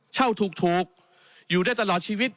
ถูกอยู่ได้ตลอดชีวิต